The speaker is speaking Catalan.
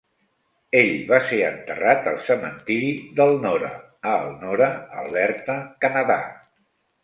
Ell va ser enterrat al cementiri d'Elnora, a Elnora, Alberta, Canadà.